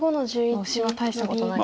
オシは大したことないと。